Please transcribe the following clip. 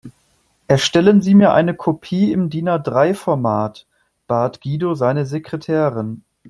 Erstellen Sie mir eine Kopie im DIN-A-drei Format, bat Guido seine Sekretärin.